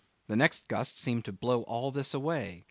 The next gust seemed to blow all this away.